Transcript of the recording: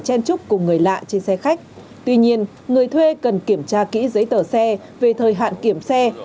chen trúc của người lạ trên xe khách tuy nhiên người thuê cần kiểm tra kỹ giấy tờ xe về thời hạn kiểm xe